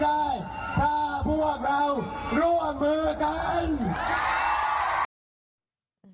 คำถามคือที่พี่น้ำแขงเล่าเรื่องถือหุ้นเสือไอทีวี